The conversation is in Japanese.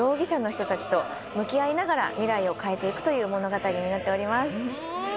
生徒である３０人の容疑者たちと向き合いながら未来を変えていくという物語になっております。